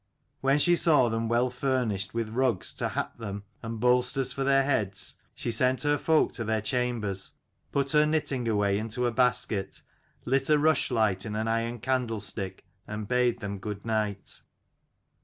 When she saw them well furnished with rugs to hap them and bolsters for their heads, she sent her folk to their chambers ; put her knitting away into a basket; lit a rushlight in an iron candlestick; and bade them good night.